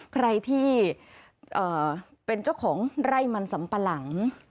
ใครที่เป็นเจ้าของไร่มันสัมปะหลัง